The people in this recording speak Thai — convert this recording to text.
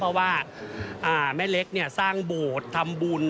เพราะว่าแม่เล็กสร้างโบสถ์ทำบุญ